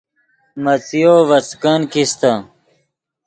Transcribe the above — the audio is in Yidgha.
مڅیو ڤے څیکن کیستے